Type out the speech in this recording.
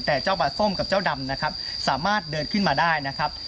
แต่เจ้าบาส้มกับเจ้าดำนะครับสามารถเดินขึ้นมาได้นะครับ